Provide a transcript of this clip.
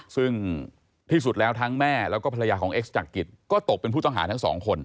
ซึ่งที่สุดแล้วทั้งแม่แล้วก็ภรรยาของเอ็กซ์จักริตก็ตกเป็นผู้ต้องหาทั้งสองคน